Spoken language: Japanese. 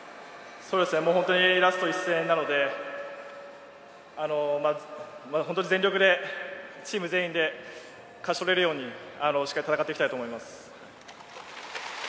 ラスト１戦なので、全力でチーム全員で勝ち取れるようにしっかりと戦っていきたいと思います。